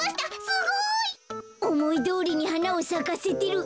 すごい！おもいどおりにはなをさかせてる。